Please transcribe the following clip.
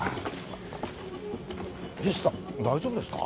菱さん大丈夫ですか？